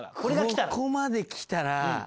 ここまで来たら。